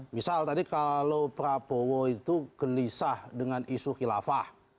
misal tadi kalau prabowo itu gelisah dengan isu khilafah